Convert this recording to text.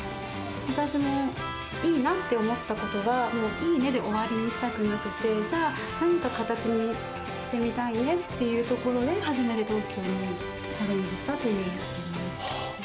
私もいいなって思ったことは、もう、いいねで終わりにしたくなくて、じゃあ、何か形にしてみたいねっていうところで、初めて特許にチャレンジしたという。